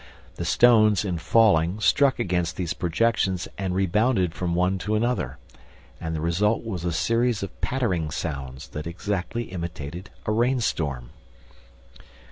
The stones, in falling, struck against these projections and rebounded from one to another; and the result was a series of pattering sounds that exactly imitated a rainstorm.